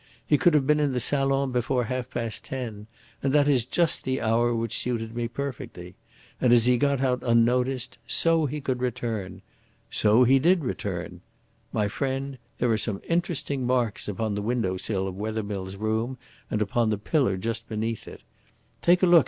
He could have been in the salon before half past ten, and that is just the hour which suited me perfectly. And, as he got out unnoticed, so he could return. So he did return! My friend, there are some interesting marks upon the window sill of Wethermill's room and upon the pillar just beneath it. Take a look, M.